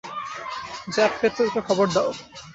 য্যাপ প্যাট্রোলকে খবর দাও।